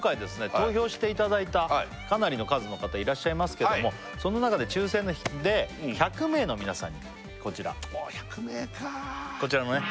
投票していただいたかなりの数の方いらっしゃいますけどもその中で抽選で１００名の皆さんにこちらおっ１００名かこちらのね